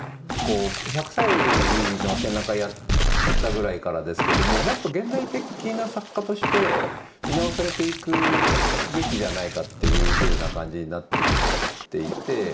１００歳の展覧会やったぐらいからですけどももっと現代的な作家として見直されていくべきじゃないかっていうふうな感じになってきていて。